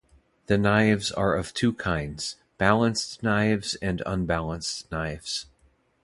The knives are of two kinds, balanced knives and unbalanced knives.